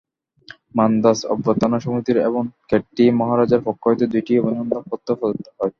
মান্দ্রাজ অভ্যর্থনা-সমিতির এবং খেতড়ি-মহারাজার পক্ষ হইতে দুইটি অভিনন্দন-পত্র প্রদত্ত হয়।